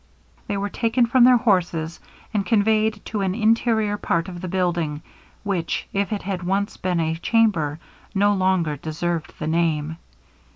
They were taken from their horses, and conveyed to an interior part of the building, which, if it had once been a chamber, no longer deserved the name.